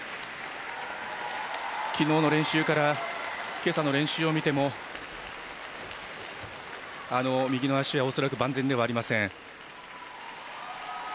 きのうの練習からけさの練習を見てもあの右の足は恐らく万全ではありません。